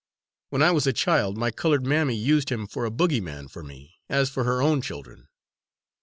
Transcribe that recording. When I was a child, my coloured mammy used him for a bogeyman for me, as for her own children."